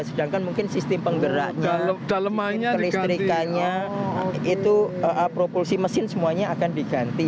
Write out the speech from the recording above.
sedangkan mungkin sistem penggeraknya listrikanya propulsi mesin semuanya akan diganti